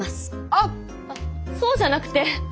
あっそうじゃなくて。